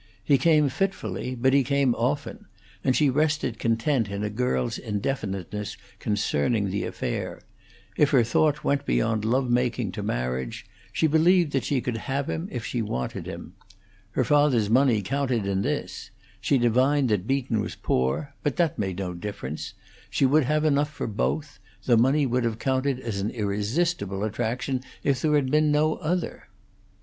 He came fitfully, but he came often, and she rested content in a girl's indefiniteness concerning the affair; if her thought went beyond lovemaking to marriage, she believed that she could have him if she wanted him. Her father's money counted in this; she divined that Beaton was poor; but that made no difference; she would have enough for both; the money would have counted as an irresistible attraction if there had been no other.